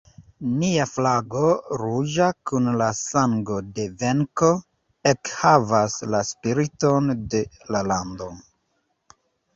Nia flago, ruĝa kun la sango de venko, ekhavas la spiriton de la lando.